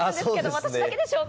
私だけでしょうか。